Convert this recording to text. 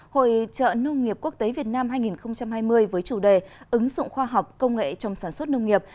hội trợ nông nghiệp quốc tế việt nam hai nghìn hai mươi với chủ đề ứng dụng khoa học công nghệ trong sản xuất nông nghiệp